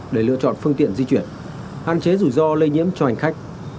để lựa chọn phương tiện di chuyển hạn chế rủi ro lây nhiễm cho hành khách